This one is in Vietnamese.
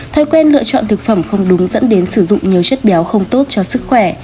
thói quen lựa chọn thực phẩm không đúng dẫn đến sử dụng nhiều chất béo không tốt cho sức khỏe